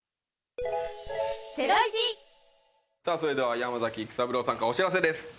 山崎育三郎さんからお知らせです。